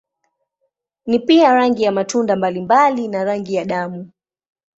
Ni pia rangi ya matunda mbalimbali na rangi ya damu.